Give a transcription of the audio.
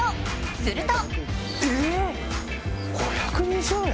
すると。